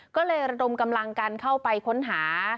ก็เลยระดมกำลังกันเข้าไปค้นหา